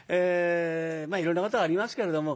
まあいろんなことがありますけれども。